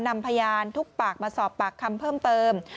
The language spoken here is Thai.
นำพยานทุกปากมาสอบปากคำเพิ่มเติม